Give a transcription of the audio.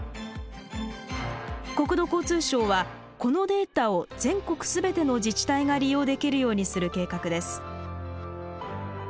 国土交通省はこのデータを全国全ての自治体が利用できるようにする計画です。